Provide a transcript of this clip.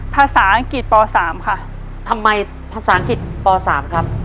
ภาษาอังกฤษป๓ค่ะทำไมภาษาอังกฤษป๓ครับ